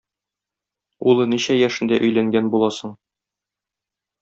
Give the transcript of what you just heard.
улы ничә яшендә өйләнгән була соң?